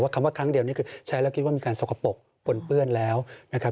คำว่าครั้งเดียวนี่คือใช้แล้วคิดว่ามีการสกปรกปนเปื้อนแล้วนะครับ